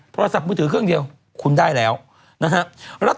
โทรศัพท์มือถือเครื่องเดียวคุณได้แล้วนะฮะ